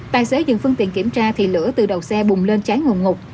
tài xế dừng phương tiện kiểm tra thì lửa từ đầu xe bùng lên trái ngồn ngục